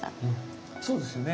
そうですよね。